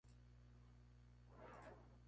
Fue un ricohombre castellano de la Casa de Zúñiga.